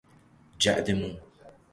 جعد مو